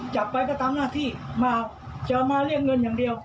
จับไปก็ตามหน้าที่มาจะมาเรียกเงินอย่างเดียว